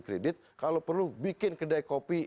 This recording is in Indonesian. kredit kalau perlu bikin kedai kopi